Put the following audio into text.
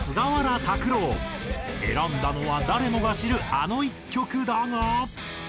選んだのは誰もが知るあの一曲だが。